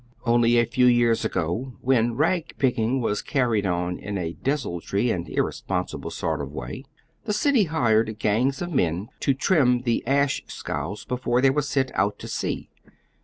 Only a few yeai s ago, when rag picking Avas carried on in a desultory and irresponsible sort of way, the city hired gangs of men to trim the ash scows before they were sent out to sea.